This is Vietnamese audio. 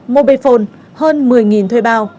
mobile phone hơn một mươi thuê bao